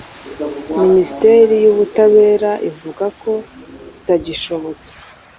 Minisiteri y'Ubutabera ivuga ko bitagishobotse